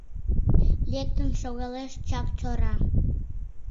Лектын шогалеш Чакчора.